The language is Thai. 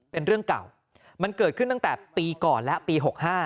เป็นเรื่องเก่ามันเกิดขึ้นตั้งแต่ปีก่อนและปี๖๕